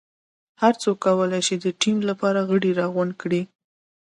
هر څوک کولای شي د ټیم لپاره غړي راغونډ کړي.